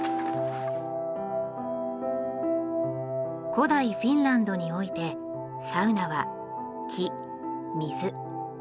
古代フィンランドにおいてサウナは木水火。